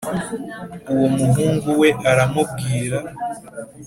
Uwo muhungu we aramubwira